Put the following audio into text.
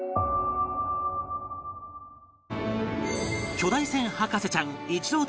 巨大船博士ちゃん一朗太